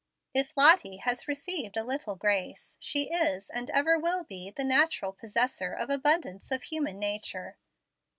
If Lottie has received a little grace, she is, and ever will be, the natural possessor of abundance of human nature.